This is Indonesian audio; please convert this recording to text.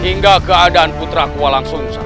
hingga keadaan putraku walang sungsang